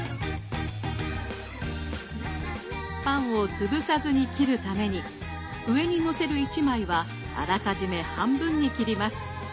パンを潰さずに切るために上にのせる１枚はあらかじめ半分に切ります。